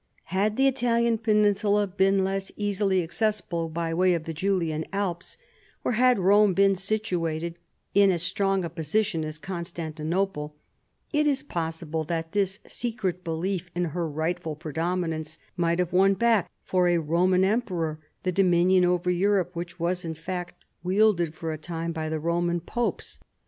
Had the Italian peninsula been less easily acces sible by way of the Julian Alps, or had Rome been situated in as strong a position as Constantinople, it is possible that this secret belief in her rightful pre dominance might have won back for a Roman em peror that dominion over Europe which was in fact wielded for a time by the Roman popos.